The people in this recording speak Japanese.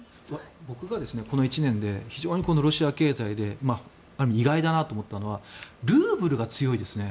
僕がこの１年で非常にこのロシア経済で意外だなと思ったのはルーブルが強いですね。